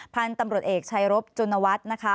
พันธ์ตำรวจเอกชัยรบจุณวัฒน์